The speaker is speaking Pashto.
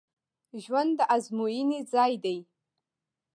ژوند د ازموینې ځای دی